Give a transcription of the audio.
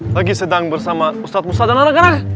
lagi sedang bersama ustadz ustadz dan anak anak